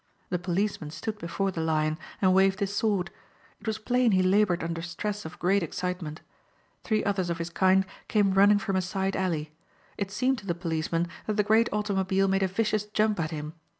The policeman stood before the Lion and waved his sword. It was plain he labored under stress of great excitement. Three others of his kind came running from a side alley. It seemed to the policeman that the great automobile made a vicious jump at him.